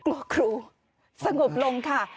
กลัวครูสงบลงค่ะ